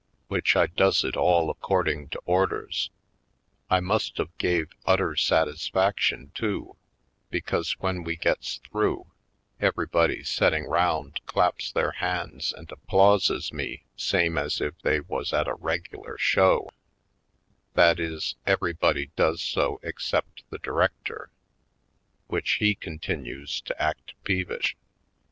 Which I does it all according to orders. I must've gave utter satisfaction, too, be cause when we gets through, everybody set ting round claps their hands and applauses me same as if they was at a regular show — that is, everybody does so except the di rector; which he continues to act peevish.